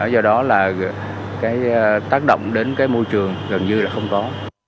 do đó là cái tác động đến cái môi trường gần như là không có